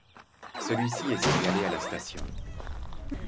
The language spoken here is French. Celui-ci est signalée de la station.